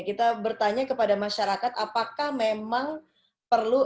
kita bertanya kepada masyarakat apakah memang perlu